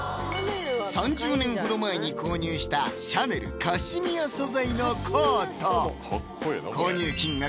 ３０年程前に購入したシャネルカシミヤ素材のコート